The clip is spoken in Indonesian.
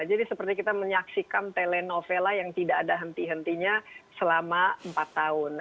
jadi seperti kita menyaksikan telenovela yang tidak ada henti hentinya selama empat tahun